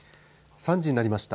３時になりました。